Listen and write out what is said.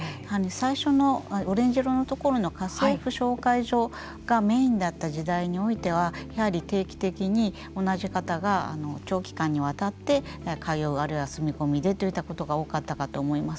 最初のオレンジ色のところの家政婦紹介所がメインだった時代においてはやはり定期的に同じ方が長期間にわたって通うあるいは住み込みでということが多かったかと思います。